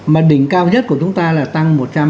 mà đỉnh cao nhất của chúng ta là tăng